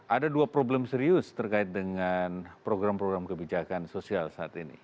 ada dua problem serius terkait dengan program program kebijakan sosial saat ini